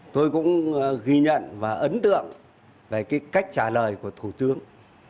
tôi cũng ghi nhận và ấn tượng về cái cách trả lời của thủ tướng